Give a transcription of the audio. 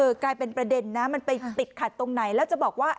กลายเป็นประเด็นนะมันไปติดขัดตรงไหนแล้วจะบอกว่า